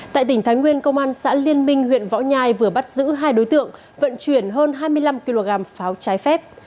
tại tỉnh thái nguyên công an xã liên minh huyện võ nhai vừa bắt giữ hai đối tượng vận chuyển hơn hai mươi năm kg pháo trái phép